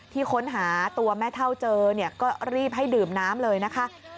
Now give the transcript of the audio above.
ที่ค้นหาตัวแม่เท้าเจอก็รีบให้ดื่มน้ำเลยนะคะ